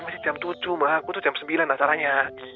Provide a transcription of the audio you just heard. jam tujuh mah aku tuh jam sembilan lah caranya